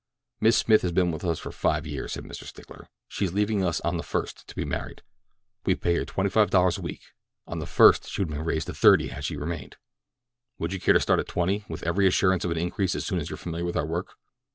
"Miss Smith has been with us for five years," said Mr. Stickler. "She is leaving on the first to be married. We pay her twenty five dollars a week. On the first she would have been raised to thirty had she remained. Would you care to start at twenty, with every assurance of an increase as soon as you are familiar with our work?"